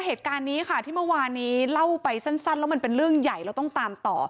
เหตุการณ์นี้ค่ะที่เมื่อวานนี้เล่าไปสั้นแล้วมันเป็นเรื่องใหญ่เราต้องตามต่อ